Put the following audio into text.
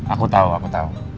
aku tau aku tau